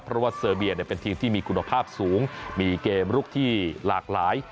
เพราะว่าเซอร์เบียเป็นทีมที่มีคุณภาพสูงมีเกมลุกที่หลากหลาย